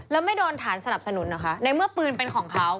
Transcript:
แล้วไม่โดนฐานสนับสนุนเหรอคะในเมื่อปืนเป็นของเขา